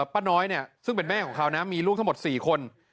ป้าน้อยส่วนแม่ของเขามีฆกลุ่มทั้งหมด๔คน